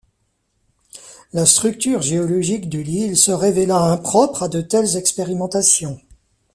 La structure géologique de l'île se révéla impropre à de telles expérimentations.